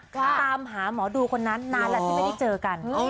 ตามหาหมอดูคนนั้นนานแล้วที่ไม่ได้เจอกัน